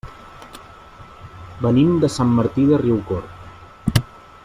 Venim de Sant Martí de Riucorb.